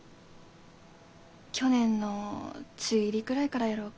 去年の梅雨入りぐらいからやろうか。